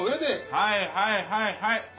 はいはいはいはい。